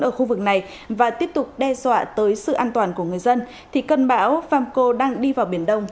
ở khu vực này và tiếp tục đe dọa tới sự an toàn của người dân thì cơn bão famco đang đi vào biển đông